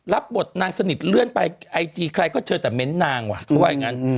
รับบทนางสนิทเลื่อนไปไอจีใครก็เจอแต่เม้นต์นางว่ะเขาว่าอย่างนั้น